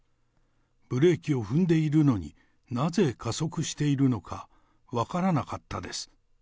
ブレーキを踏んでいるのに、なぜ加速しているのか分からなかったです。